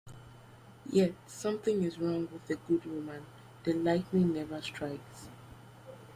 Yet something is wrong with "A Good Woman": The lightning never strikes.